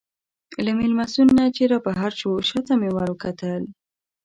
له مېلمستون نه چې رابهر شوو، شا ته مې وروکتل.